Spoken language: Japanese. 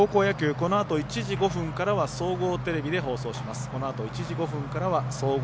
このあと１時５分からは総合テレビで放送します。